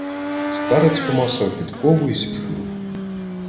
Старець помацав підкову й зітхнув: